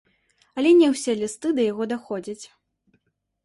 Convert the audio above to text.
Але не ўсе лісты да яго даходзяць.